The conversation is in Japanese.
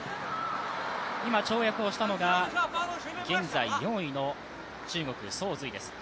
今、跳躍をしたのが現在４位の中国・曾蕊です。